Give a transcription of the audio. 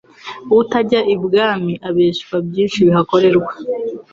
Utajya Ibwami abeshywa byinshi bihakorerwa